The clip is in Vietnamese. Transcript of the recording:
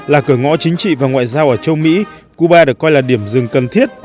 là cửa ngõ chính trị và ngoại giao ở châu mỹ cuba được coi là điểm dừng cần thiết